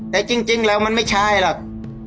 แต่จริงแล้วมันไม่ใช่หรอก